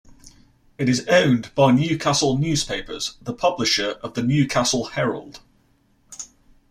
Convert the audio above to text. It is owned by Newcastle Newspapers, the publisher of the Newcastle Herald.